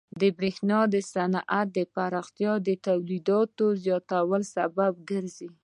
د برېښنا صنعت پراختیا د تولیداتو زیاتوالي سبب کیږي.